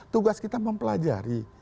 tugas kita mempelajari